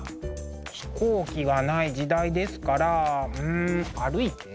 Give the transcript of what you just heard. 飛行機がない時代ですからうん歩いて？